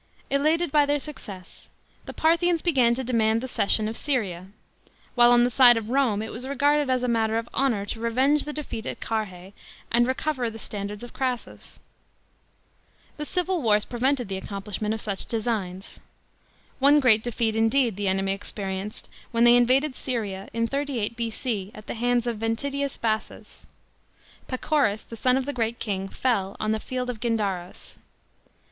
Elated by their success, the Parthians began to demand the cession of Syria ; while on the side ot Rome it was regarded as a matter of honour to revenge the defeat at Carrhae and recover the standards of Crassus. The Civil Wars prevented the accomplishment of such designs. One great defeat, indeed, the enemy experienced when they invaded Syria in 38 B.C., at the hands of Ventidins Bassus ; Pacorus, the son ot the great king, fell on the field of Gindaros.